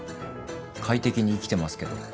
快適に生きてますけど。